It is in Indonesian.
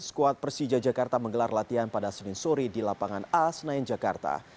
skuad persija jakarta menggelar latihan pada senin sore di lapangan a senayan jakarta